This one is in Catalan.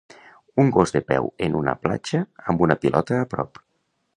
Un gos de peu en una platja amb una pilota a prop.